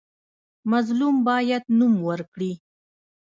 مظلوم باید نوم ورکړي.